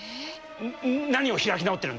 何を開き直ってるんだ？